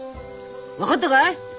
分かったかい？